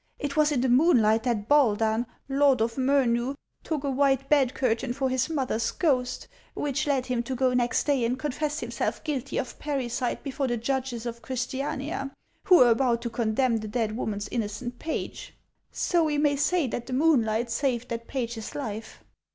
It was in the moonlight that Baldan, lord of Merueugh, took a white bed curtain for his mother's ghost ; which led. him to go next day and confess himself guilty of parricide before the judges of Christiania, who were about to con demn the dead woman's innocent page. So \VQ may say that the moonlight saved that page's life."